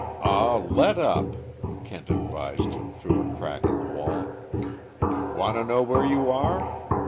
"Aw, let up," Kent advised him, through a crack in the wall. "Want to know where you are?